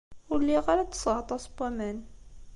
Ur lliɣ ara ttesseɣ aṭas n waman.